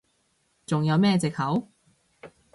仲有咩藉口？